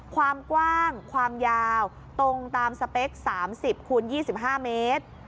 ความกว้างความยาวตรงตามสเปคสามสิบคูณยี่สิบห้าเมตร